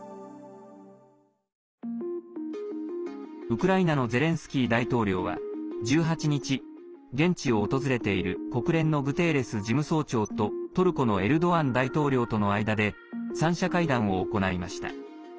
ウクライナのゼレンスキー大統領は１８日現地を訪れている国連のグテーレス事務総長とトルコのエルドアン大統領との間で三者会談を行いました。